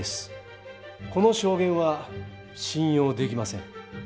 この証言は信用できません。